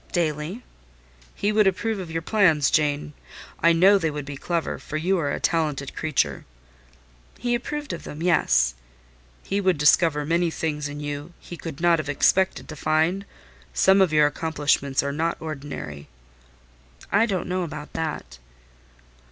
"Daily." "He would approve of your plans, Jane? I know they would be clever, for you are a talented creature!" "He approved of them—yes." "He would discover many things in you he could not have expected to find? Some of your accomplishments are not ordinary." "I don't know about that."